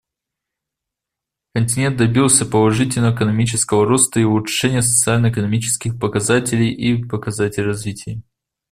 Континент добился положительного экономического роста и улучшения социально-экономических показателей и показателей развития.